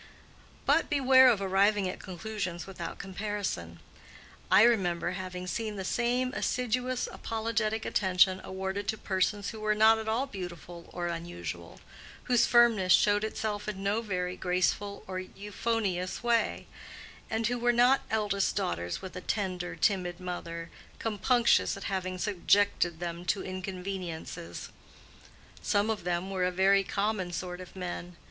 But beware of arriving at conclusions without comparison. I remember having seen the same assiduous, apologetic attention awarded to persons who were not at all beautiful or unusual, whose firmness showed itself in no very graceful or euphonious way, and who were not eldest daughters with a tender, timid mother, compunctious at having subjected them to inconveniences. Some of them were a very common sort of men.